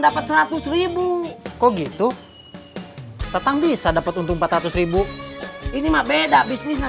dapat seratus kok gitu tetang bisa dapat untung empat ratus ini mah beda bisnisnya